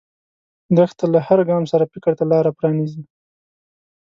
دښته له هر ګام سره فکر ته لاره پرانیزي.